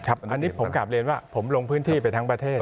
อันนี้ผมกลับเรียนว่าผมลงพื้นที่ไปทั้งประเทศ